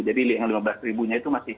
jadi yang lima belas ribunya itu masih